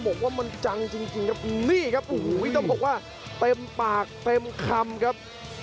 บอกว่ามันจังจริงครับนี่ครับโอ้โหต้องบอกว่าเต็มปากเต็มคำครับ